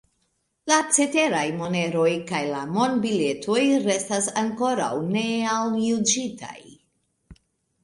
La ceteraj moneroj kaj la monbiletoj restas ankoraŭ nealjuĝitaj.